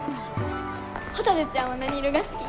ほたるちゃんは何色が好き？